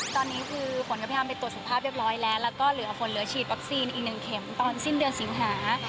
ตอนนี้คือผลกับพี่อำไปตรวจสุขภาพเรียบร้อยแล้วแล้วก็เหลือผลเหลือฉีดวัคซีนอีก๑เข็มตอนสิ้นเดือนสิงหา